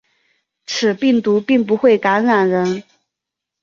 此病毒并不会感染人。